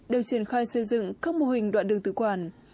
đều triển khai xây dựng các mô hình đoạn đường tự quản